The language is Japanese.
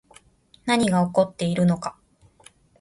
何が起こっているのか